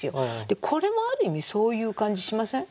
これもある意味そういう感じしません？